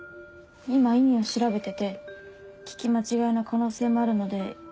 今意味を調べてて聞き間違いの可能性もあるので。